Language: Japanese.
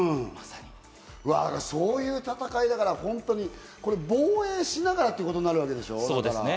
そういう戦いだから、本当に防衛しながらってことになるわけでしょ？